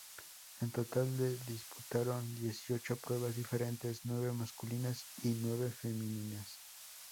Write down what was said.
En total se disputaron dieciocho pruebas diferentes, nueve masculinas y nueve femeninas.